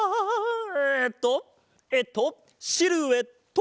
えっとえっとシルエット！